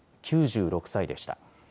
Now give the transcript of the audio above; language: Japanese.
９６歳でした。